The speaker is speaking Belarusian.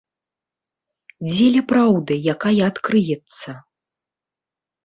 Дзеля праўды, якая адкрыецца.